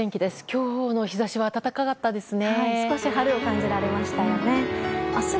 今日の日差しは暖かったですね。